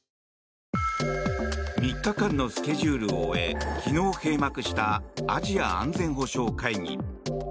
３日間のスケジュールを終え昨日閉幕したアジア安全保障会議。